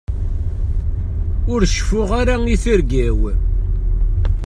Ur ceffuɣ ara i tirga-w.